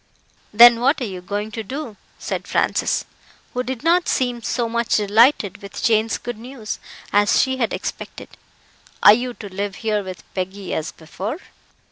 "Then what are YOU going to do?" said Francis, who did not seem so much delighted with Jane's good news as she had expected. "Are you to live here with Peggy, as before?"